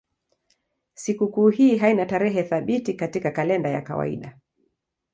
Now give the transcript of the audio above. Sikukuu hii haina tarehe thabiti katika kalenda ya kawaida.